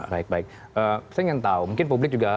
saya ingin tahu mungkin publik juga